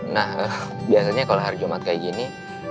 nah biasanya kalau harjumat kayak gini